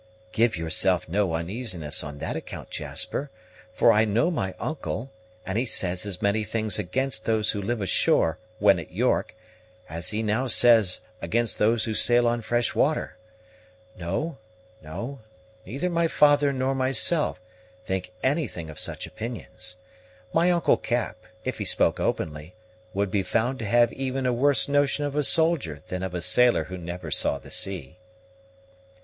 "Give yourself no uneasiness on that account, Jasper; for I know my uncle, and he says as many things against those who live ashore, when at York, as he now says against those who sail on fresh water. No, no, neither my father nor myself think anything of such opinions. My uncle Cap, if he spoke openly, would be found to have even a worse notion of a soldier than of a sailor who never saw the sea."